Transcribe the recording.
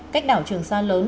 cách đảo trường sa lớn